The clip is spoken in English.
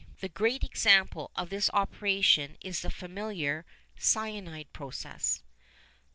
The great example of this operation is the familiar "cyanide" process.